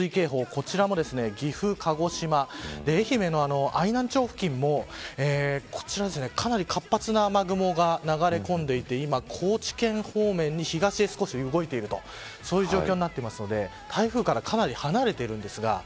こちらも、岐阜、鹿児島愛媛の愛南町付近もこちら、かなり活発な雨雲が流れ込んでいて今、高知県方面に東へ少し動いているそういう状況になっているので台風からかなり離れているんですか